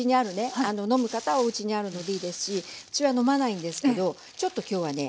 飲む方はおうちにあるのでいいですしうちは飲まないんですけどちょっと今日はね